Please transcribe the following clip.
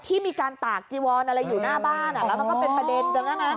ที่มีการตากจีวอนอะไรอยู่หน้าบ้านแล้วมันก็เป็นประเด็นจำได้ไหม